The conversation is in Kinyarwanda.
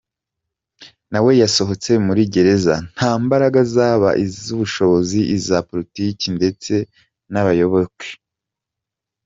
Nawe yasohotse muri gereza nta mbaraga zaba iz’ubushobozi, iza politiki ndetse n’abayoboke.